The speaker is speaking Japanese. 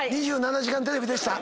『２７時間テレビ』でした。